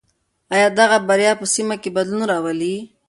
آیا دغه بریا به په سیمه کې بدلون راولي؟